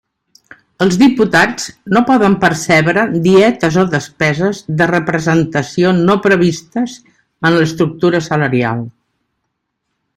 Els diputats no poden percebre dietes o despeses de representació no previstes en l'estructura salarial.